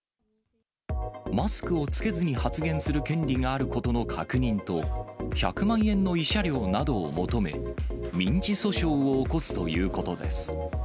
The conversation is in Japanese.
マスクを着けずに発言する権利があることの確認と、１００万円の慰謝料などを求め、民事訴訟を起こすということです。